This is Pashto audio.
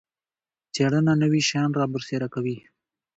څیړنه نوي شیان رابرسیره کوي